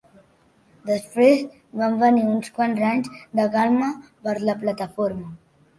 Després van venir uns quants anys de calma per a la Plataforma.